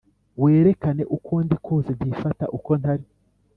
Werekane uko ndi kose ntifata uko ntari